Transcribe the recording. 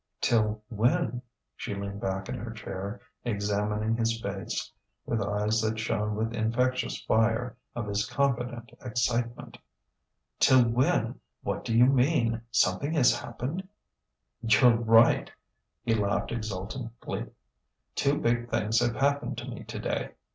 "Till when ?" She leaned back in her chair, examining his face with eyes that shone with infectious fire of his confident excitement. "Till when? What do you mean? Something has happened!" "You're right," he laughed exultantly: "two big things have happened to me today.